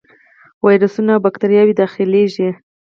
ویروسونه او باکتریاوې داخليږي.